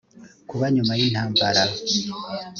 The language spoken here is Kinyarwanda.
kuba nyuma y intambara